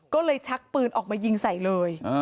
ก็เลยชักปืนออกมายิงใส่เลย